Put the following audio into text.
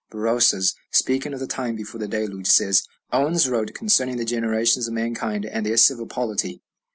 Berosus, speaking of the time before the Deluge, says: "Oannes wrote concerning the generations of mankind and their civil polity."